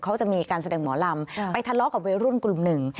เขาจะมีการแสดงหมอลำไปทะเลาะกับวัยรุ่นกลุ่มหนึ่ง